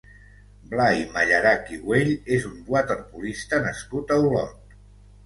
Blai Mallarach i Güell és un waterpolista nascut a Olot.